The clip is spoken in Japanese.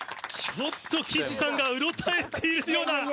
ちょっと岸さんがうろたえているような。